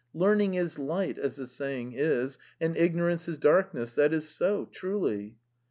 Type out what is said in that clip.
Learning is light, as the saying is, and ignorance 1s darkness. ... That is so, truly."